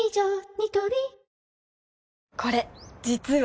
ニトリこれ実は。